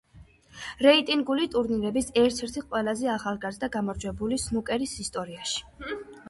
რეიტინგული ტურნირების ერთ-ერთი ყველაზე ახალგაზრდა გამარჯვებული სნუკერის ისტორიაში.